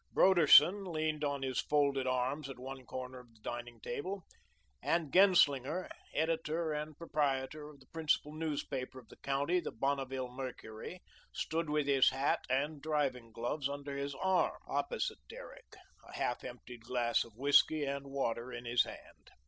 Broderson leaned on his folded arms at one corner of the dining table, and Genslinger, editor and proprietor of the principal newspaper of the county, the "Bonneville Mercury," stood with his hat and driving gloves under his arm, opposite Derrick, a half emptied glass of whiskey and water in his hand.